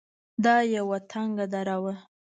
دا يوه تنگه دره وه.